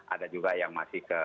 ada juga yang masih ke